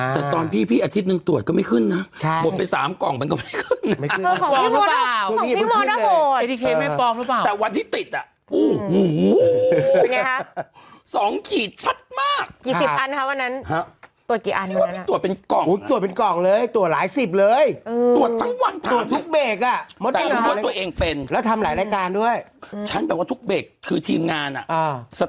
แต่ตอนพี่พี่อาทิตย์นึงตรวจก็ไม่ขึ้นนะใช่หมดไปสามกล่องมันก็ไม่ขึ้นไม่ขึ้นของของพี่มส